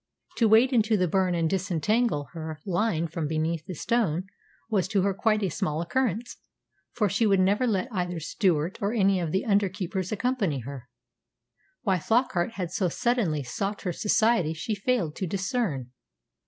To wade into the burn and disentangle her line from beneath a stone was to her quite a small occurrence, for she would never let either Stewart or any of the under keepers accompany her. Why Flockart had so suddenly sought her society she failed to discern.